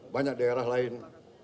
banyak daerah lain